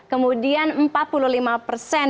kemudian empat puluh lima persen